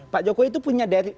pak jokowi itu punya